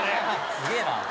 すげえな。